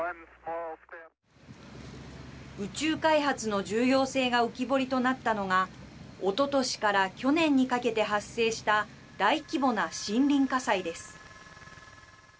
宇宙開発の重要性が浮き彫りとなったのがおととしから去年にかけて発生した大規模な森林火災です。